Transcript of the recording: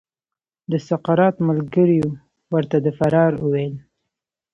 د سقراط ملګریو ورته د فرار وویل.